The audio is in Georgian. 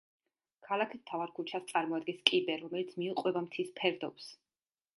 ქალაქის მთავარ ქუჩას წარმოადგენს კიბე, რომელიც მიუყვება მთის ფერდობს.